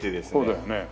そうだよね。